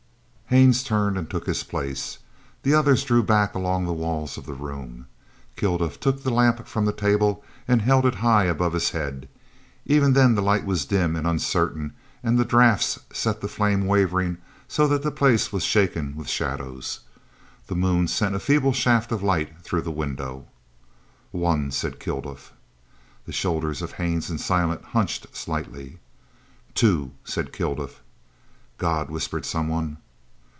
Haines turned and took his place. The others drew back along the walls of the room. Kilduff took the lamp from the table and held it high above his head. Even then the light was dim and uncertain and the draughts set the flame wavering so that the place was shaken with shadows. The moon sent a feeble shaft of light through the window. "One!" said Kilduff. The shoulders of Haines and Silent hunched slightly. "Two!" said Kilduff. "God," whispered someone.